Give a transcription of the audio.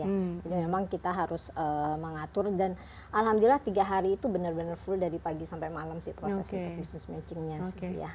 jadi memang kita harus mengatur dan alhamdulillah tiga hari itu benar benar full dari pagi sampai malam sih proses untuk business matchingnya sih